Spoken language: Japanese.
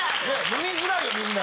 飲みづらいよみんな。